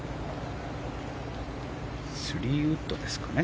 ３ウッドですかね。